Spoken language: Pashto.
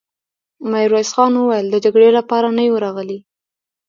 ميرويس خان وويل: د جګړې له پاره نه يو راغلي!